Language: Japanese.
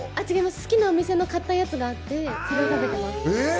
好きなお店の買ったやつがあって毎朝食べてます。